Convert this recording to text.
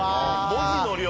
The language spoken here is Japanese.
文字の量。